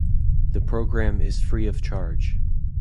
The program is free of charge.